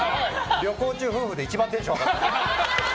旅行中、夫婦で一番テンション上がって。